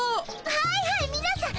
はいはいみなさん